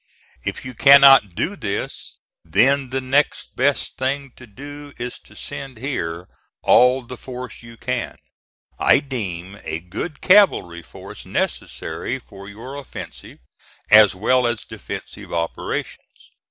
If you cannot do this, then the next best thing to do is to send here all the force you can. I deem a good cavalry force necessary for your offensive, as well as defensive operations.